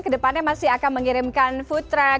ke depannya masih akan mengirimkan food track